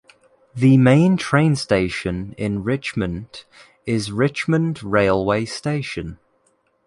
The main train station in Richmond is Richmond railway station.